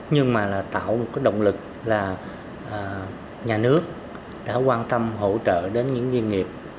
nhưng mà tạo một cái động lực là nhà nước đã quan tâm hỗ trợ đến những doanh nghiệp